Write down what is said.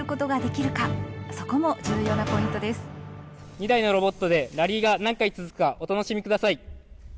・２台のロボットでラリーが何回続くかお楽しみください。